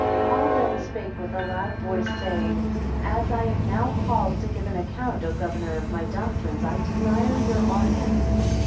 5 Paul then spake with a loud voice, saying, As I am now called to give an account, O governor, of my doctrines, I desire your audience.